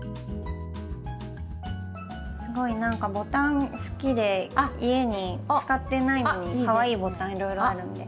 すごい何かボタン好きで家に使ってないのにかわいいボタンいろいろあるので。